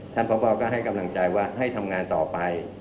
พบก็ให้กำลังใจว่าให้ทำงานต่อไป